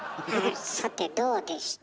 さてどうでした？